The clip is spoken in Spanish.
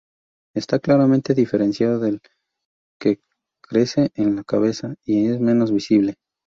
Está claramente diferenciado del que crece en la cabeza y es menos visible.